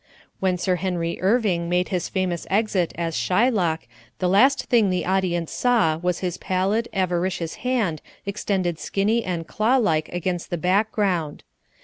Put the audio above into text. When Sir Henry Irving made his famous exit as "Shylock" the last thing the audience saw was his pallid, avaricious hand extended skinny and claw like against the background.